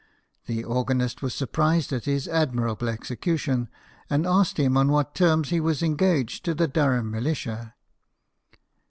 The organist was surprised at his admirable execution, and asked him on what terms he was engaged to the Durham militia.